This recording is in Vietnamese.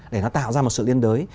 để nó tạo ra một sự liên đối